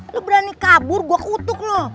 lu berani kabur gua kutuk lu